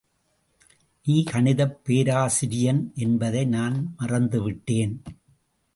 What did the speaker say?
நீ கணிதப் பேராசிரியன் என்பதை நான் மறந்துவிட்டேன்.